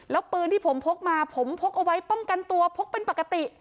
แล้วปืนที่ผมพกมาผมพกเอาไว้ป้องกันตัวพกเป็นปกติ